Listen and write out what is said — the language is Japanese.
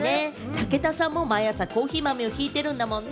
武田さんも毎朝、コーヒー豆をひいているんだもんね？